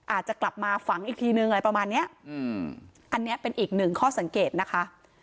อาจจะกลับมาฝังอีกทีนึงอะไรประมาณเนี้ยอืมอันนี้เป็นอีกหนึ่งข้อสังเกตนะคะ